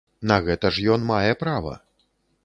На гэта ж ён мае права!